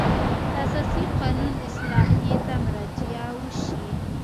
د اساسي قانون اصلاحیې ته مراجعه وشي.